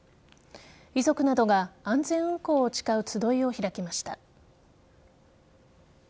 遺族などが安全運行を誓う集いを開きました。